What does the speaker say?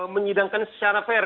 menyidangkan secara fair